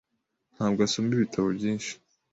Ntabwo asoma ibitabo byinshi .